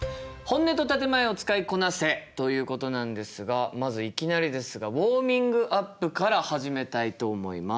ということなんですがまずいきなりですがウォーミングアップから始めたいと思います。